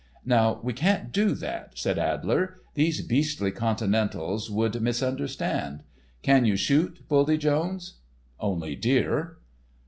"Now, we can't do that," said Adler; "these beastly continentals would misunderstand. Can you shoot, Buldy Jones?" "Only deer."